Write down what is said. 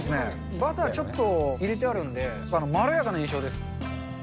バターちょっと入れてあるんで、まろやかな印象です。